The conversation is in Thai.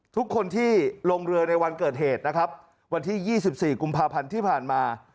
ทุกคนที่ลงเรือในวันเกิดเหตุนะครับวันที่๒๔กุมภาพันธ์ที่ผ่านมา